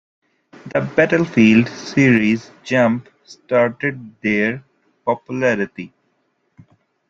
The "Battlefield" series jump-started their popularity.